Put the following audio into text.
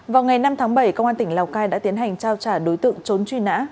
vào ngày năm tháng bảy công an tỉnh lào cai đã tiến hành trao trả đối tượng trốn truy nã